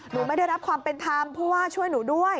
ไม่ได้รับความเป็นธรรมผู้ว่าช่วยหนูด้วย